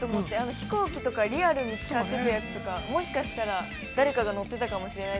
飛行機とかリアルにやっていて、もしかしたら、誰かが乗ってたかもしれない。